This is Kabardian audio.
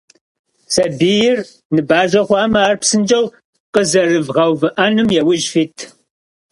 Сабийр ныбажэ хъуамэ, ар псынщӏэу къэзэрывгъэувыӏэным яужь фит.